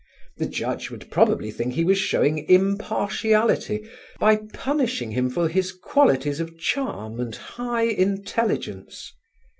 The judge would probably think he was showing impartiality by punishing him for his qualities of charm and high intelligence.